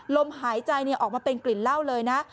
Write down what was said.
ลมหายใจออกมาเป็นกลิ่นเหล้าเลยนะ